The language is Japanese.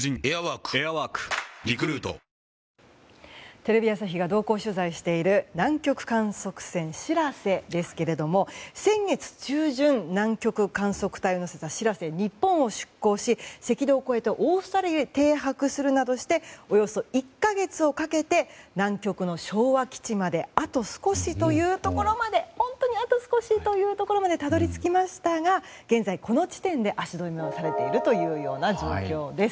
テレビ朝日が同行取材している南極観測船「しらせ」ですけれども先月中旬南極観測隊を乗せた「しらせ」は日本を出港し、赤道を越えてオーストラリアに停泊するなどしておよそ１か月をかけて南極の昭和基地まで本当にあと少しというところまでたどり着きましたが現在、この地点で足止めされている状況です。